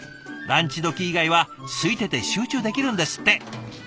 ランチどき以外はすいてて集中できるんですって。